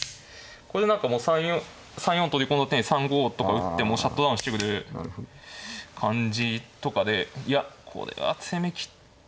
これで何かもう３四取り込んだ手に３五とか打ってもうシャットダウンしてくる感じとかでいやこれは攻め。